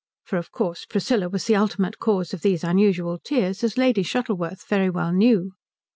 For of course Priscilla was the ultimate cause of these unusual tears, as Lady Shuttleworth very well knew.